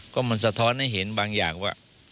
ก็มันสะท้อนให้เห็นบางอย่างว่า